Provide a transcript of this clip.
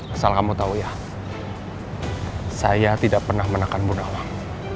asal kamu tau ya saya tidak pernah menekan bunda wang